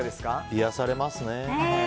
癒やされますね。